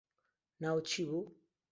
ناوت چی بوو